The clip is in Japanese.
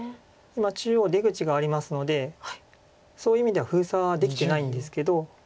今中央出口がありますのでそういう意味では封鎖はできてないんですけど。